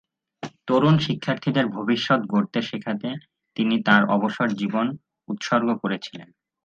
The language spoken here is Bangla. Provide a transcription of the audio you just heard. তরুণ শিক্ষার্থীদের ভবিষ্যত গড়তে শেখাতে তিনি তাঁর অবসর জীবন উৎসর্গ করেছিলেন।